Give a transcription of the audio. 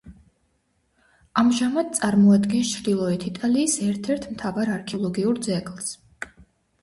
ამჟამად წარმოადგენს ჩრდილოეთ იტალიის ერთ-ერთ მთავარ არქეოლოგიურ ძეგლს.